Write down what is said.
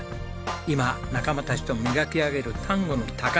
今仲間たちと磨き上げる丹後の宝。